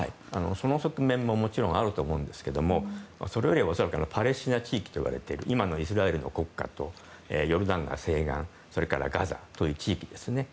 その側面ももちろんあると思うんですけどそれよりも恐らくパレスチナ地域といわれている今のイスラエルの国家とヨルダン川西岸それからガザという地域ですね。